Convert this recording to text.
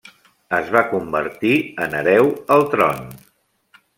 Es va convertir en hereu al tron.